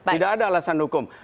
tidak ada alasan hukum